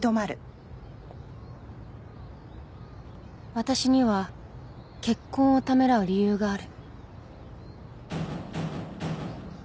私には結婚をためらう理由がある